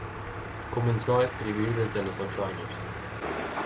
Comenzó a escribir desde los ocho años.